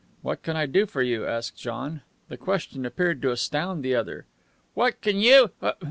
"What can I do for you?" asked John. The question appeared to astound the other. "What can you